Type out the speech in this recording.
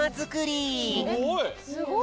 すごい！